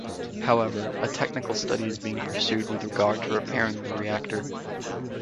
However, a technical study is being pursued with regard to repairing the reactor.